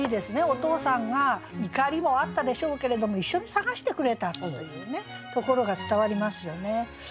お父さんが怒りもあったでしょうけれども一緒に探してくれたというところが伝わりますよね。